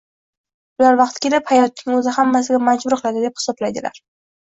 Ular “vaqti kelib, hayotning o‘zi hammasiga majbur qiladi”, deb hisoblaydilar.